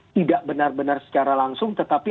tidak benar benar secara langsung tetapi